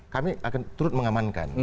kami akan turut mengamankan